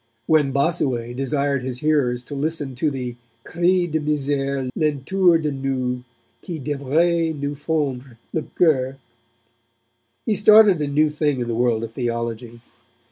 When Bossuet desired his hearers to listen to the cri de misere l'entour de nous, qui devrait nous fondre le coeur, he started a new thing in the world of theology.